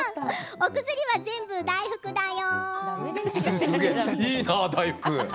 お薬は全部、大福だよ。